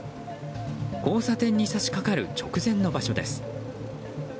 交差点に差し掛かる直前の場所です。